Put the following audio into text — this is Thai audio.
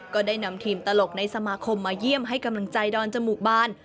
ก็ได้นำทีมตลกในสมาคมมาเยี่ยมให้กำลังใจดอนจมูกบาน